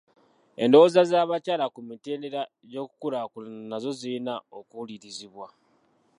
Endowooza z'abakyala ku mitendera gy'okukulaakulana nazo zirina okuwulirizibwa.